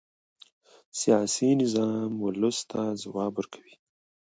سیاسي نظام ولس ته ځواب ورکوي